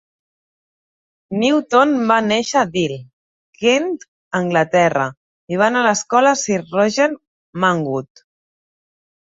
Newton va néixer a Deal, Kent, Anglaterra i va anar a l'escola Sir Roger Manwood.